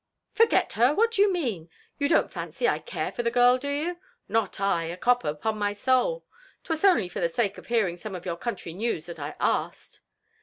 Forget her! what do you mean ? You don't fancy I care for the girl, do you ? Not I, a copper, upon mysoul. 'Twas only for the sake of hearing some of your country news that I asked."